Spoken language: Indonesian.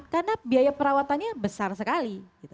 karena biaya perawatannya besar sekali